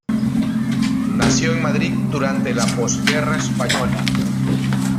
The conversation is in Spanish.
Nació en Madrid durante la posguerra española.